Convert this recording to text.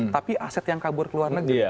tapi aset yang kabur ke luar negeri